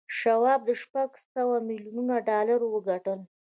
شواب شپږ سوه میلیون ډالر وګټل